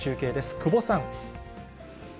久保さん。